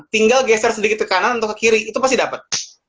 tinggal geser sedikit ke kanan atau ke kiri itu pasti dapat